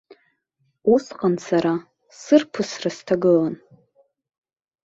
Усҟан сара сарԥысра сҭагылан.